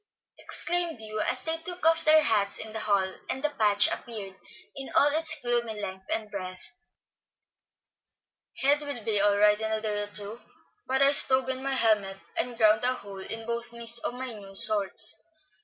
exclaimed Hugh, as they took off their hats in the hall, and the patch appeared in all its gloomy length and breadth. "Head will be all right in a day or two, but I stove in my helmet, and ground a hole in both knees of my new shorts.